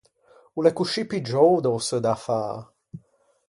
O l’é coscì piggiou da-o seu dafâ.